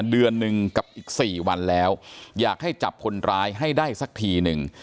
เดือนหนึ่งกับอีก๔วันแล้วอยากให้จับคนร้ายให้ได้สักทีหนึ่ง